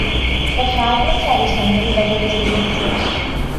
The fragments are reassembled by the receiving host.